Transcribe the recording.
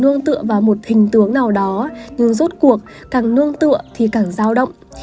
nương tựa vào một hình tướng nào đó như rốt cuộc càng nương tựa thì càng giao động